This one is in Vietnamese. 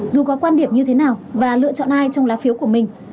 dù có quan điểm như thế nào và lựa chọn ai trong lá phiếu của mình